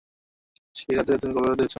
সেই রাতে তুমি কবর দিয়েছ।